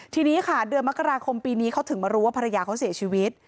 ทีนี้ค่ะเดือนมกราคมปีนี้เขาถึงมารู้ว่าภรรยาเขาเสียชีวิต